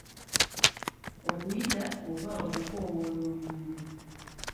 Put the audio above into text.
Okuyita oba okukoowoola omuntu.